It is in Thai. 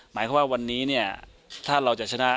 หมายความว่าวันนี้เนี่ยถ้าเราจะชนะ